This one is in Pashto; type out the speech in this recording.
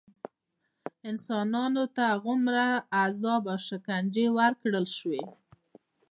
انسانانو ته هغومره عذاب او شکنجې ورکړل شوې.